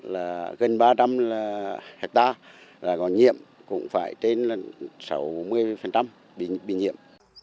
là gần ba trăm linh hectare là còn nhiễm cũng phải trên sáu mươi bị nhiễm